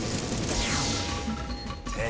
⁉え。